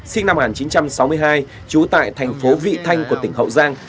sinh năm một nghìn chín trăm sáu mươi hai trú tại thành phố vị thanh của tỉnh hậu giang